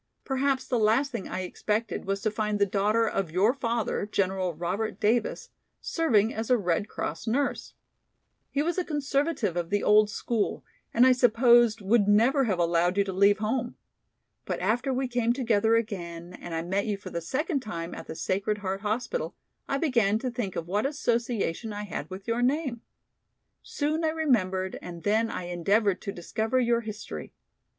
Perhaps the last thing I expected was to find the daughter of your father, General Robert Davis, serving as a Red Cross nurse. He was a conservative of the old school, and I supposed would never have allowed you to leave home. But after we came together again and I met you for the second time at the Sacred Heart Hospital, I began to think of what association I had with your name. Soon I remembered and then I endeavored to discover your history.